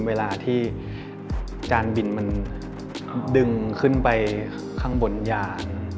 เวลาที่จานบินมันดึงขึ้นไปข้างบนยาง